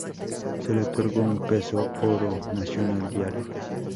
Se le otorgo un peso oro nacional diario.